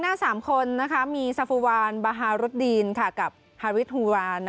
หน้าสามคนมีซาฟูวาลบาฮารุดดีนค่ะกับฮาวิทฮูลวา